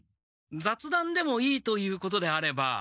ざつだんでもいいということであれば。